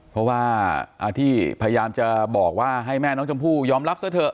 เพราะว่าที่พยายามจะบอกว่าให้แม่น้องชมพู่ยอมรับซะเถอะ